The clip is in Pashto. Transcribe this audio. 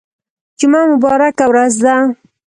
جمعه مبارکه ورځ ده